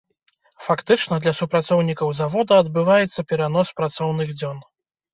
Фактычна, для супрацоўнікаў завода адбываецца перанос працоўных дзён.